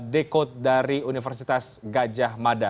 dekod dari universitas gajah mada